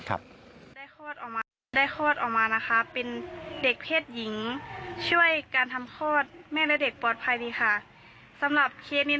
ครับ